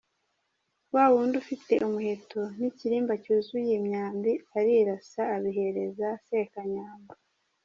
Wawundi ufite umuheto n’ikirimba cyuzuye imyambi arirasa abihereza Sekanyambo.